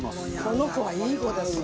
この子はいい子だよ！